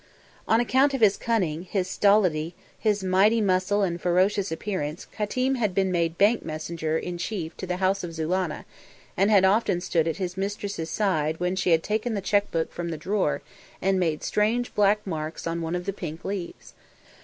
On account of his cunning, his stolidity, his mighty muscle and ferocious appearance Qatim had been made bank messenger in chief to the House of Zulannah, and had often stood at his mistress's side when she had taken the cheque book from the drawer and made strange black marks on one of the pink leaves.